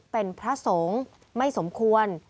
เป็นพระสงฆ์ไม่สมควร